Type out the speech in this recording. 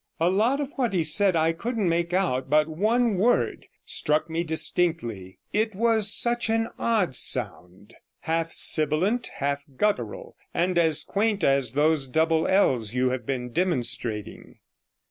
A lot of what he said I couldn't make out, but one word struck me distinctly. It was such an odd sound, half sibilant, half guttural, and as quaint as those double /s you have been demonstrating.